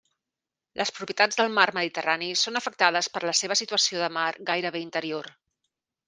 Les propietats del mar Mediterrani són afectades per la seva situació de mar gairebé interior.